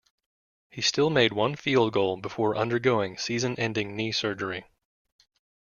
He still made one field goal before undergoing season-ending knee surgery.